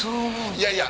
いやいや！